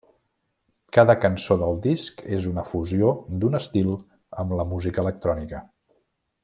Cada cançó del disc és una fusió d'un estil amb la música electrònica.